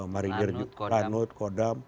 maridir lanut kodam